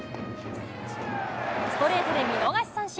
ストレートで見逃し三振。